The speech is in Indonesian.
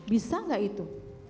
bisa enggak itu